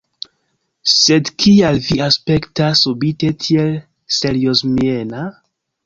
Sed kial vi aspektas subite tiel seriozmiena?